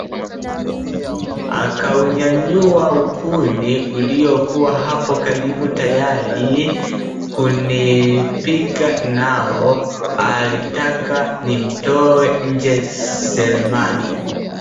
Akaunyanyua ukuni uliokuwa hapo karibu tayari kunipiga nao, alitaka nimtoe nje Selemani